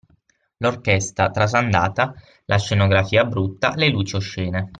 L’orchestra trasandata, la scenografia brutta, le luci oscene.